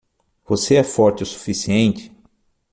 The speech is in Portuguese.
Você é forte o suficiente?